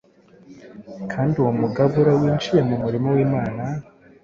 kandi uwo mugabura winjiye mu murimo w’imana